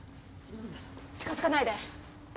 近づかないで。